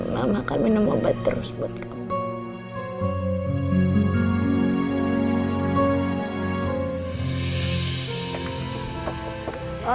mama kamu minum obat terus buat kamu